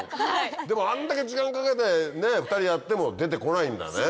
でもあんだけ時間かけて２人でやっても出て来ないんだね。